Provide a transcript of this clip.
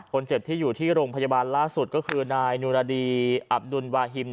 คนเจ็บที่อยู่ที่โรงพยาบาลล่าสุดก็คือนายนุรดีอับดุลวาฮิม